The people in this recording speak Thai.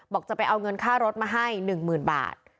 บอกจะไปเอาเงินค่ารถมาให้๑๐๐๐บาท